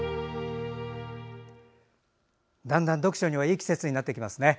だんだん読書にはいい季節になってきますね。